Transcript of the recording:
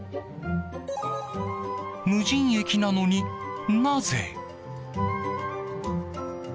無人駅なのに、なぜ？